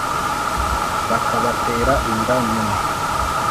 bakabatera inda nyuma